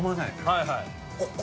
はいはい。